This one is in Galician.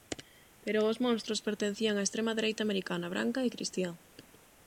Pero os monstros pertencían á extrema dereita americana, branca e cristiá.